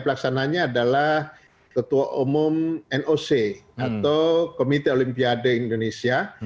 pelaksananya adalah ketua umum noc atau komite olimpiade indonesia